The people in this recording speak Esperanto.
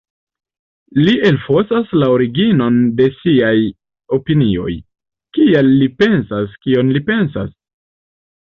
Li elfosas la originon de siaj opinioj: “kial li pensas kion li pensas?